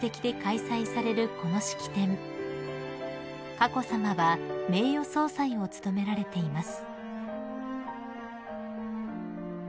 ［佳子さまは名誉総裁を務められています］